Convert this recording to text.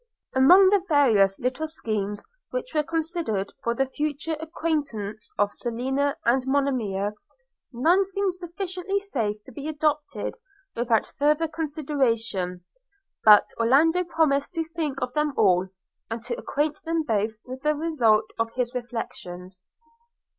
Among the various little schemes which were considered for the future acquaintance of Selina and Monimia, none seemed sufficiently safe to be adopted without farther consideration; bur Orlando promised to think of them all, and to acquaint them both with the result of his reflections.